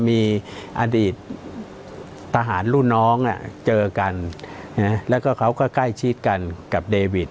มีอดีตทหารรุ่นน้องเจอกันแล้วก็เขาก็ใกล้ชิดกันกับเดวิด